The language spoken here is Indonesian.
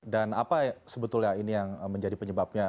dan apa sebetulnya ini yang menjadi penyebabnya